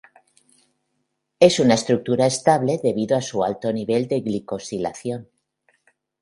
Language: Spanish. Es una estructura estable debido a su alto nivel de glicosilación.